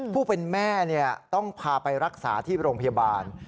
ผู้เป็นแม่ต้องพาไปรักษาที่โรงพยาบาล